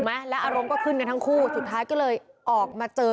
ไอ้ไอ้ไอ้ไอ้ไอ้ไอ้